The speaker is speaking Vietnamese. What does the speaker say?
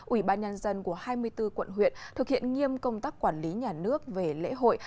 ủy ban nhân dân của hai mươi bốn quận huyện thực hiện nghiêm công tác quản lý nhà nước về lễ hội